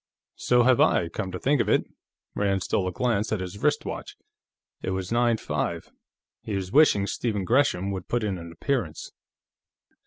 "So have I, come to think of it." Rand stole a glance at his wrist watch. It was nine five; he was wishing Stephen Gresham would put in an appearance.